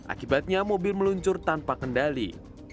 akibatnya mobil meluncur tanpa kendali